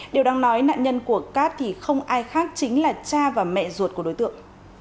điều đang nói nạn nhân của cát thì không ai khác chính là cha và mẹ ruột của đối tượng